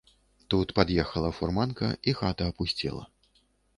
Тут пад'ехала фурманка, і хата апусцела.